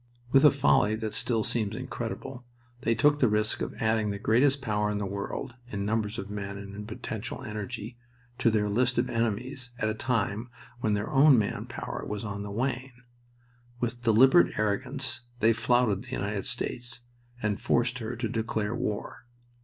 With a folly that still seems incredible, they took the risk of adding the greatest power in the world in numbers of men and in potential energy to their list of enemies at a time when their own man power was on the wane. With deliberate arrogance they flouted the United States and forced her to declare war.